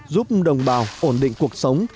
giúp đồng bào ổn định cuộc sống